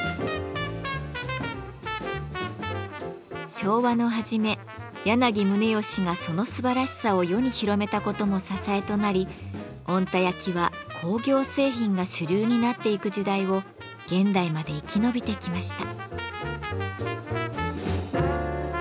昭和の初め柳宗悦がそのすばらしさを世に広めたことも支えとなり小鹿田焼は工業製品が主流になっていく時代を現代まで生き延びてきました。